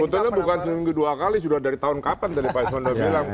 sebetulnya bukan seminggu dua kali sudah dari tahun kapan tadi pak iswanda bilang